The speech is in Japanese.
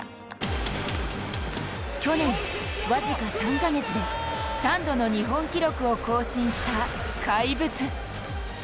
去年、僅か３カ月で３度の日本記録を更新した怪物。